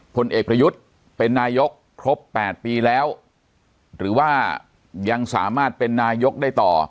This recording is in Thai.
ผลเอกประยุทธ์เป็นนายกครบ๘ปีแล้วหรือว่ายังสามารถเป็นนายกได้ต่อ